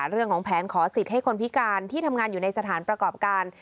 เรื่องของแผนขอสิทธิ์ให้คนพิการที่ทำงานอยู่ในสถานประกอบการ